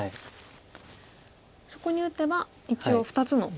そこに打てば一応２つの。